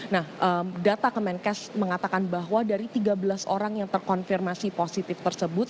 nah data kemenkes mengatakan bahwa dari tiga belas orang yang terkonfirmasi positif tersebut